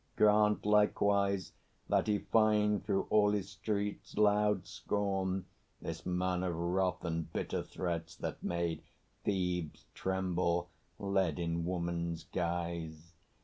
Grant likewise that he find through all his streets Loud scorn, this man of wrath and bitter threats That made Thebes tremble, led in woman's guise.